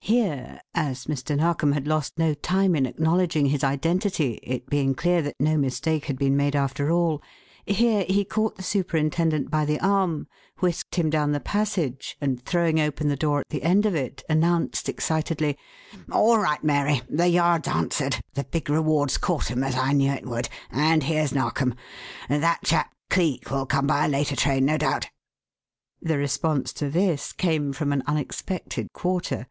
Here as Mr. Narkom had lost no time in acknowledging his identity, it being clear that no mistake had been made after all here he caught the superintendent by the arm, whisked him down the passage, and throwing open the door at the end of it, announced excitedly, "All right, Mary. The Yard's answered the big reward's caught 'em, as I knew it would and here's Narkom. That chap Cleek will come by a later train, no doubt." The response to this came from an unexpected quarter.